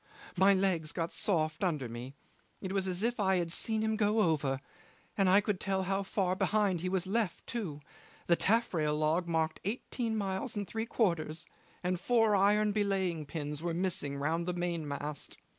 My legs got soft under me. It was as if I had seen him go over; and I could tell how far behind he was left too. The taffrail log marked eighteen miles and three quarters, and four iron belaying pins were missing round the mainmast.